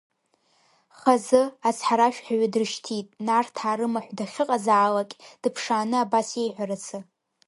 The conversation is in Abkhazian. Хазы ацҳаражәҳәаҩы дрышьҭит, Нарҭаа рымаҳә дахьыҟазаалакь дыԥшааны абас иеиҳәарацы…